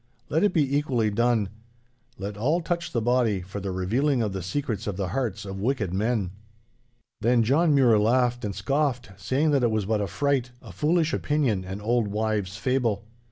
Let it be equally done. Let all touch the body, for the revealing of the secrets of the hearts of wicked men.' Then John Mure laughed and scoffed, saying that it was but a freit, a foolish opinion, an old wives' fable.